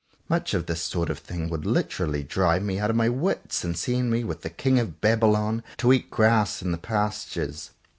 Much of this sort of thing would literally drive me out of my wits and send me, with the King of Babylon, to eat grass in the pas tures.